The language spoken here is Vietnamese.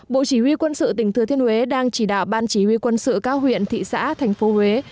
bộ chỉ huy quân sự tỉnh thừa thiên huế đang chỉ đạo ban chỉ huy quân sự các huyện thị xã thành phố huế